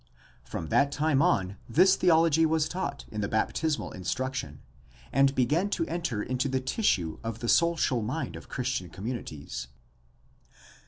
From that time on this, theology was taught in the baptismal instruction and began to enter into the tissue of the social mind of Christian com munities.